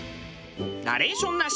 ナレーションなし。